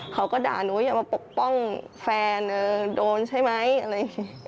เขาก็ด่าหนูว่าอย่ามาปกป้องแฟนโดนใช่ไหมอะไรอย่างนี้